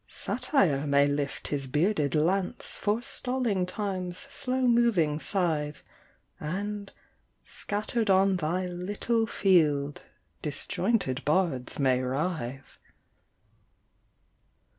Satire may lift his bearded lance, Forestalling Time's slow moving scythe, And, scattered on thy little field, Disjointed bards may writhe.